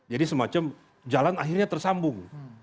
jadi semacam jalan akhirnya tersambung